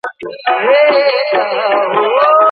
ښه برخلیک یوازي با استعداده کسانو ته نه سي سپارل کېدلای.